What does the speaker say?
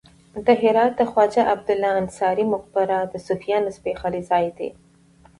د هرات د خواجه عبدالله انصاري مقبره د صوفیانو سپیڅلی ځای دی